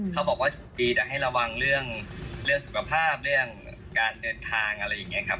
เขาบอกว่าดีจะให้ระวังเรื่องสุขภาพเรื่องการเดินทางอะไรอย่างนี้ครับ